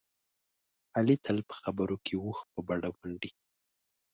علي تل په خبرو کې اوښ په بډه منډي.